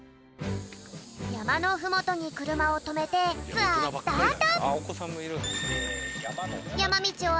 やまのふもとにくるまをとめてツアースタート！